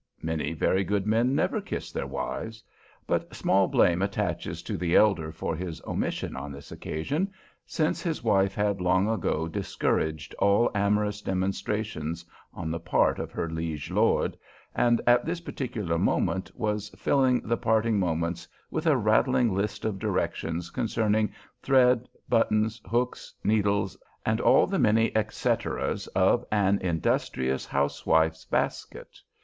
Many very good men never kiss their wives. But small blame attaches to the elder for his omission on this occasion, since his wife had long ago discouraged all amorous demonstrations on the part of her liege lord, and at this particular moment was filling the parting moments with a rattling list of directions concerning thread, buttons, hooks, needles, and all the many etceteras of an industrious housewife's basket.